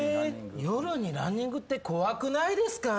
夜にランニングって怖くないですか？